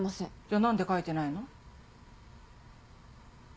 じゃあ何で書いてないの？